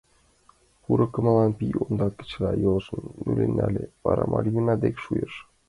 Поро кумылан пий ондак чыла йолжым нулен нале, вара Мальвина дек шуйыш.